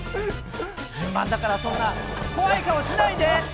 順番だから、そんな怖い顔しないで。